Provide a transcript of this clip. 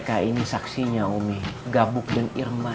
ketika cuman berpuka dipindah